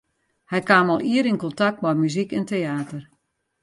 Hy kaam al ier yn kontakt mei muzyk en teäter.